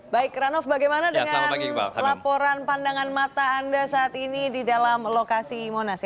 baik ranov bagaimana dengan laporan pandangan mata anda saat ini di dalam lokasi monas